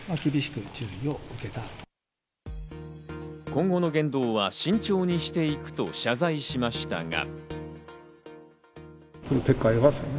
今後の言動は慎重にしていくと謝罪しましたが。